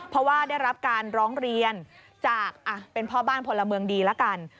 เพราะว่าได้รับการร้องเรียนจากเป็นพ่อบ้านพลเมืองดีแล้วกัน